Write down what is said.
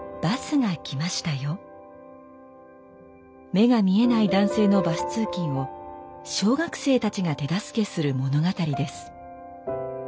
目が見えない男性のバス通勤を小学生たちが手助けする物語です。